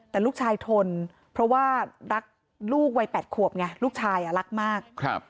แต่ลูกชายทนเพราะว่ารักลูกวัย๘ขวบไงลูกชายรักมาก